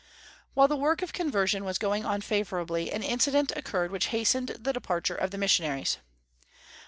While the work of conversion was going on favorably, an incident occurred which hastened the departure of the missionaries.